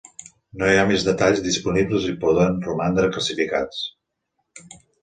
No hi ha més detalls disponibles i poden romandre classificats.